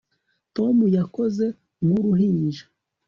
tom yakoze nk'uruhinja